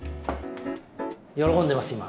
喜んでます今。